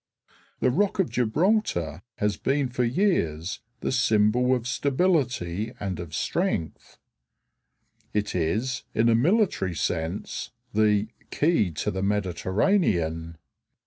The rock of Gibraltar has been for years the symbol of stability and of strength. It is in a military sense the "key to the Mediterranean."